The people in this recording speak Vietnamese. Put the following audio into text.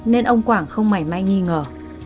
nên ông quảng không mảy may nghi ngờ